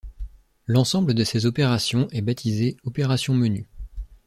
L'ensemble de ces opérations est baptisé opération Menu.